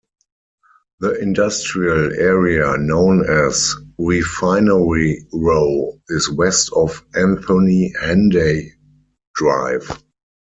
The industrial area known as Refinery Row is west of Anthony Henday Drive.